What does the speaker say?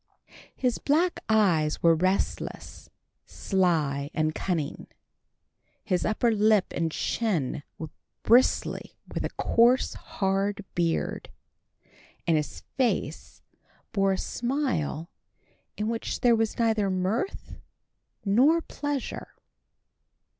His black eyes were restless, sly, and cunning; his upper lip and chin were bristly with a coarse, hard beard; and his face bore a smile in which there was neither mirth nor pleasure.